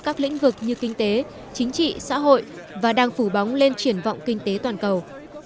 các lĩnh vực như kinh tế chính trị xã hội và đang phủ bóng lên triển vọng kinh tế toàn cầu